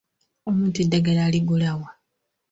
Omuntu eddagala aligula wa?